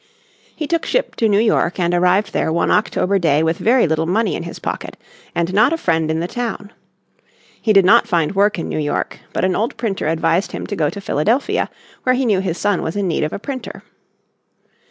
He took ship to New York in 1723 and arrived there one October day with very little money in his pocket and not a friend in the town. He did not find work in New York, but an old printer advised him to go to Philadelphia where he knew his son was in need of a printer.